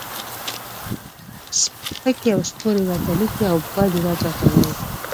سپکې او سپورې راته لیکي او بد و رد راته وایي.